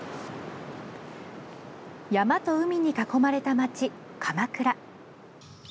山と海に囲まれた町、鎌倉。